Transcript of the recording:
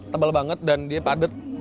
tebal banget dan dia padat